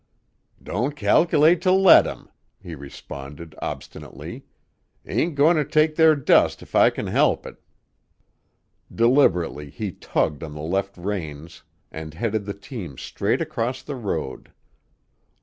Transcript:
"Don't calc'late to let 'em," he responded obstinately. "Ain't goin' to take their dust if I kin help it." Deliberately he tugged on the left reins and headed the team straight across the road.